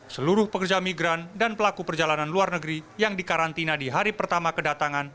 seluruh pekerja migran dan pelaku perjalanan luar negeri yang dikarantina di hari pertama kedatangan